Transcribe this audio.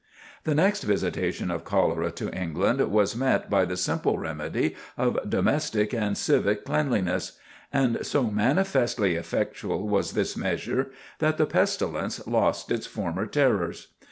The next visitation of cholera to England was met by the simple remedy of domestic and civic cleanliness; and so manifestly effectual was this measure that the pestilence lost its former terrors.